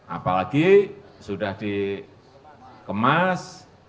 apalagi sudah dikemas